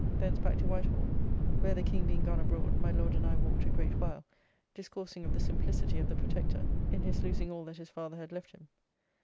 Thence back to White Hall, where, the King being gone abroad, my Lord and I walked a great while discoursing of the simplicity of the Protector, in his losing all that his father had left him.